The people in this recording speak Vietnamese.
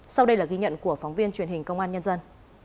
sau đây là ghi nhận của phóng viên truyền hình công an nhân dân